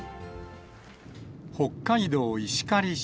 北海道石狩市。